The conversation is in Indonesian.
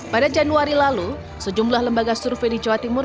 pada januari lalu sejumlah lembaga survei di jawa timur